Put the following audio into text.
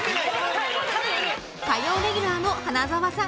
火曜レギュラーの花澤さん。